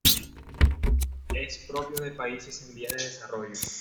Es propio de países en vías de desarrollo.